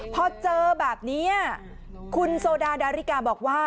พอเจอแบบนี้คุณโซดาดาริกาบอกว่า